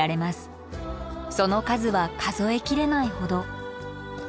その数は数え切れないほど。